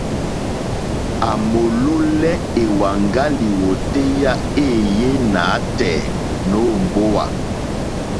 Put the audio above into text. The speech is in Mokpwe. À mòlólɛ́ èwàŋgá lìwòtéyá éèyé nǎtɛ̀ɛ̀ nǒ mbówà.